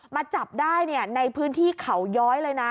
มาจับได้ในพื้นที่เขาย้อยเลยนะ